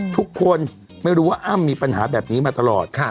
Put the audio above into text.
ทุกคนไม่รู้ว่าอ้ำมีปัญหาแบบนี้มาตลอด